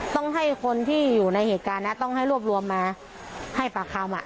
ต้องให้คนที่อยู่ในเหตุการณ์นะต้องให้รวบรวมมาให้ปากคำ